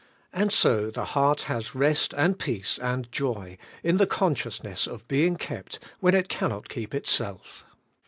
And so the heart has rest and peace and joy in the con sciousness of being kept when it cannot keep itself.